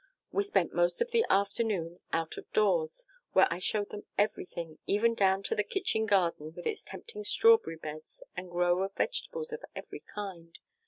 We spent most of the afternoon out of doors, where I showed them everything, even down to the kitchen garden with its tempting strawberry beds and rows of vegetables of every kind.